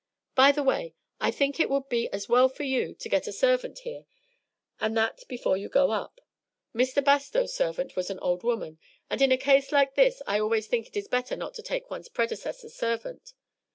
By the way, I think it would be as well for you to get a servant here, and that before you go up. Mr. Bastow's servant was an old woman, and in a case like this I always think it is better not to take one's predecessor's servant.